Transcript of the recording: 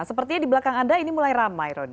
sepertinya di belakang anda ini mulai ramai rony